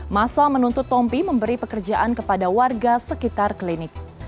masa menuntut tompi memberi pekerjaan kepada warga sekitar klinik